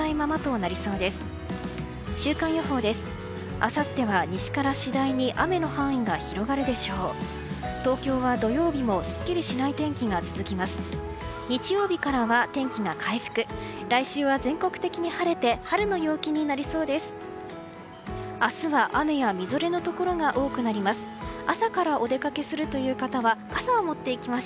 明日は雨やみぞれのところが多くなります。